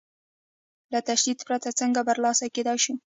له تشدد پرته څنګه برلاسي کېدای شو؟